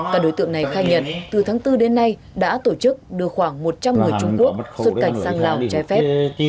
các đối tượng này khai nhận từ tháng bốn đến nay đã tổ chức đưa khoảng một trăm linh người trung quốc xuất cảnh sang lào trái phép